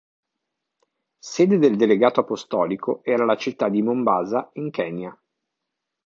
Sede del delegato apostolico era la città di Mombasa in Kenya.